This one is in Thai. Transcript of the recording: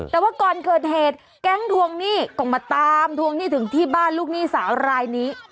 แต่ว่าก่อนเกิดเหตุแก๊งทวงหนี้ก็มาตามทวงหนี้ถึงที่บ้านลูกหนี้สาวรายนี้